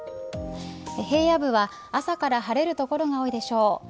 平野部は、朝から晴れる所が多いでしょう。